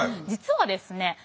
実はですね